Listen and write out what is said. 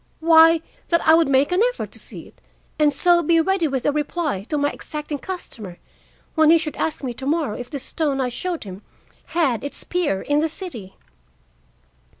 Why, that I would make an effort to see it and so be ready with a reply to my exacting customer when he should ask me to morrow if the stone I showed him had its peer in the city.